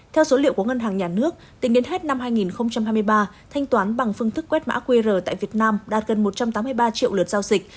theo số liệu của ngân hàng nhà nước tính đến hết năm hai nghìn hai mươi ba thanh toán bằng phương thức quét mã qr tại việt nam đạt gần một trăm tám mươi ba triệu lượt giao dịch